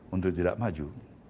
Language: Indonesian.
untuk tidak maju